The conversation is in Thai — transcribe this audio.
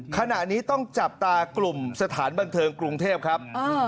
ขณะนี้ต้องจับตากลุ่มสถานบันเทิงกรุงเทพครับ